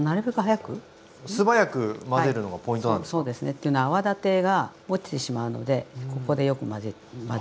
っていうのは泡立てがおちてしまうのでここでよく混ぜるでしょ。